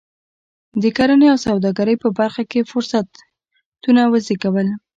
د کرنې او سوداګرۍ په برخه کې فرصتونه وزېږول.